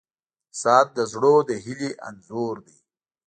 • ساعت د زړونو د هیلې انځور دی.